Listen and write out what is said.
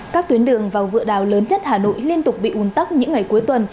các tuyến đường vào vựa đào lớn nhất hà nội liên tục bị ùn tắc những ngày cuối tuần